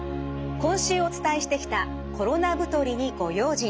今週お伝えしてきた「コロナ太りにご用心！」。